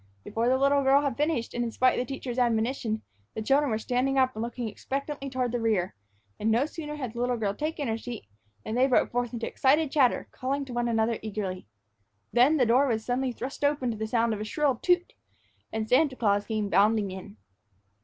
Before the little girl had finished, and in spite of the teacher's admonition, the children were standing up and looking expectantly toward the rear; and no sooner had the little girl taken her seat, than they broke forth into excited chatter, calling to one another eagerly. Then the door was suddenly thrust open to the sound of a shrill toot, and Santa Claus came bounding in.